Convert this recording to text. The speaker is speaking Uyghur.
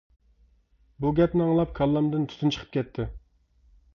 بۇ گەپنى ئاڭلاپ كاللامدىن تۈتۈن چىقىپ كەتتى.